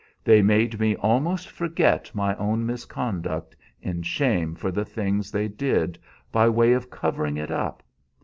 They made me almost forget my own misconduct in shame for the things they did by way of covering it up.